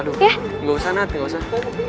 aduh gak usah nad gak usah